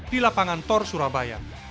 di lapangan tor surabaya